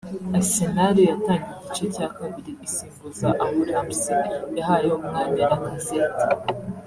Arsenal yatangiye igice cya kabiri isimbuza aho Ramsey yahaye umwanya Lacazette